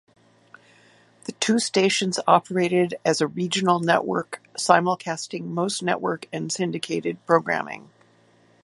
The two stations operated as a regional network simulcasting most network and syndicated programming.